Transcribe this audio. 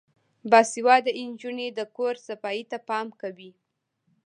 باسواده نجونې د کور صفايي ته پام کوي.